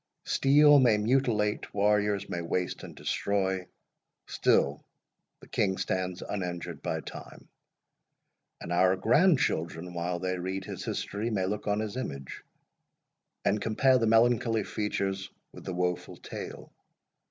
Steel may mutilate, warriors may waste and destroy—still the King stands uninjured by time; and our grandchildren, while they read his history, may look on his image, and compare the melancholy features with the woful tale.